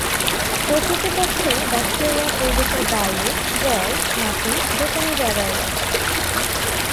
প্রকৃতপক্ষে, ব্যাক্টেরিয়া পরিবেশের বায়ু, জল, মাটি যেকোনো জায়গায় রয়েছে।